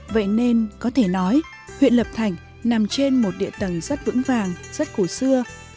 vậy nên có thể nói huyện lập thạch nằm trên một địa tầng rất vững vàng rất cổ xưa